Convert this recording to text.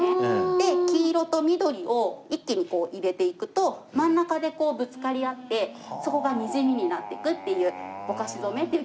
で黄色と緑を一気に入れていくと真ん中でぶつかり合ってそこがにじみになっていくっていうぼかし染めっていう技法なので。